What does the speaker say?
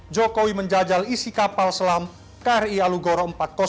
jokowi menjajal isi kapal selam kri alugoro empat ratus dua